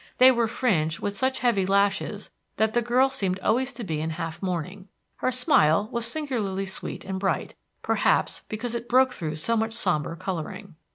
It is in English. They were fringed with such heavy lashes that the girl seemed always to be in half mourning. Her smile was singularly sweet and bright, perhaps because it broke through so much somber coloring.